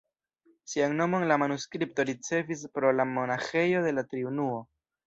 Sian nomon la manuskripto ricevis pro la monaĥejo de la Triunuo.